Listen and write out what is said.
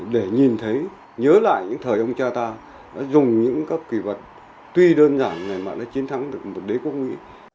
để nhìn thấy nhớ lại những thời ông cha ta đã dùng những các kỳ vật tuy đơn giản để mà đã chiến thắng được một đế quốc mỹ